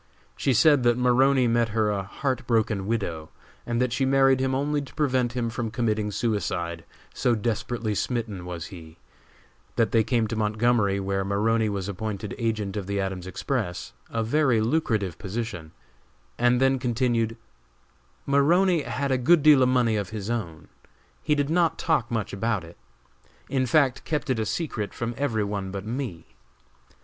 She said that Maroney met her a heart broken widow, and that she married him only to prevent him from committing suicide, so desperately smitten was he; that they came to Montgomery, where Maroney was appointed agent of the Adams Express a very lucrative position and then continued: "Maroney had a good deal of money of his own, but did not talk much about it, in fact kept it a secret from every one but me.